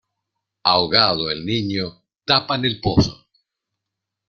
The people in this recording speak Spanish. Ahogado el niño, tapan el pozo.